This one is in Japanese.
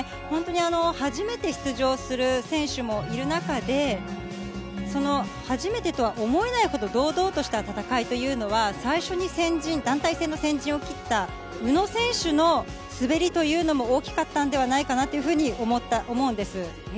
本当に初めて出場する選手もいる中で、初めてとは思えないほど堂々とした戦いというのは、最初に団体戦の先陣を切った宇野選手の滑りというのも、大きかったんではないかなというふうに思うんです。